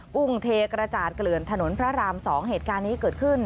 กุ้งเทกระจานเกลื่อนถนนพระราม๒เหตุการณ์นี้เกิดขึ้น